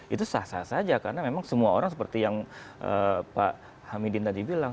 itu sah sah saja karena memang semua orang seperti yang pak hamidin tadi bilang